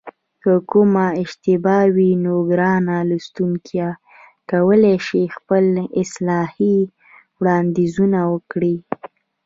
که کومه اشتباه وي نو ګران لوستونکي کولای شي خپل اصلاحي وړاندیزونه وکړي